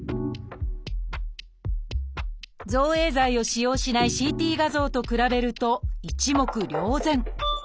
造影剤を使用しないＣＴ画像と比べると一目瞭然。